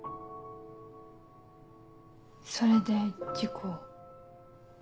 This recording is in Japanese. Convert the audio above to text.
それで事故を。